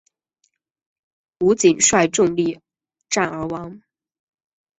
吴瑾率众力战而亡。